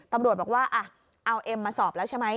ตำรวจบอกว่าเอาเอ็มมาสอบแล้วใช่ไหม